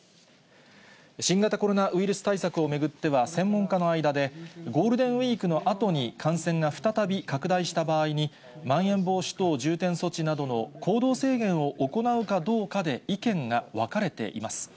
新型コロナウイルス対策を巡っては、専門家の間で、ゴールデンウィークのあとに感染が再び拡大した場合に、まん延防止等重点措置などの行動制限を行うかどうかで意見が分かれています。